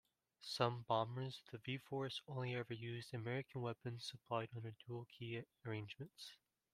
Some bombers of the V-force only ever used American weapons supplied under dual-key arrangements.